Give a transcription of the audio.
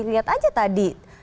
lihat aja tadi buka tiba tiba merah